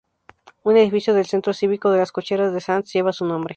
Un edificio del Centro Cívico de las Cocheras de Sants lleva su nombre.